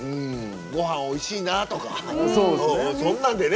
「ごはんおいしいな」とかそんなんでね。